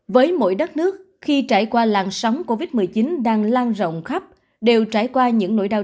với mỗi đất nước khi trải qua làn sóng covid một mươi chín đang lan rộng khắp đều trải qua những nỗi đau